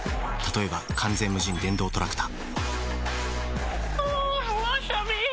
例えば完全無人電動トラクタあぁわさび。